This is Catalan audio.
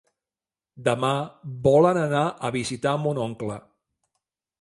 Demà volen anar a visitar mon oncle.